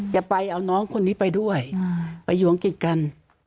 จะเอาน้องคนนี้ไปด้วยไปอยู่อังกฤษกัน